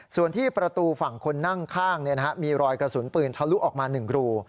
ส่วนที่ประตูฝั่งคนนั่งข้างมีรอยกระสุนปืนทะลุออกมา๑รู